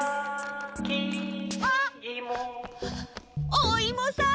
おいもさん！